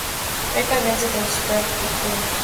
Weka viazi kwenye sufuria ya kupikia